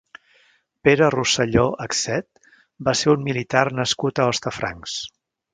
Pedro Roselló Axet va ser un militar nascut a Hostafrancs.